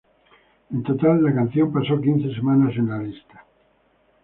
En total, la canción pasó quince semanas en la lista.